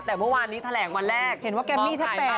แต่เมื่อวานนี้แถลงวันแรกเห็นว่าแกมมี่แทบแตก